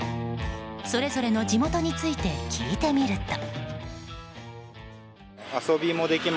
それぞれの地元について聞いてみると。